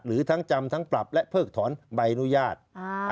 หรือทั้งจำทั้งปรับและเพิกถอนใบอนุญาต